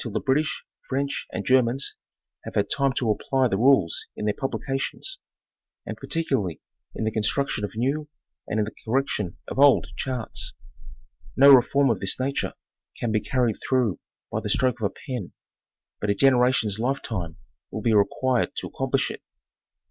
the British, French and Germans have had time to apply the rules in their publications, and particularly in the construction of new and in the correction of old charts. Noreform of this nature can be carried through by the stroke of a pen, but a generation's life time will be required to accomplish it.